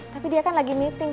tapi dia kan lagi meeting